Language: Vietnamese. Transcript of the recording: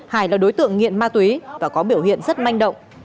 hải là đối tượng nghiện ma túy và có biểu hiện rất manh động